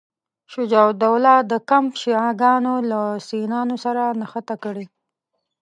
شجاع الدوله د کمپ شیعه ګانو له سنیانو سره نښته کړې.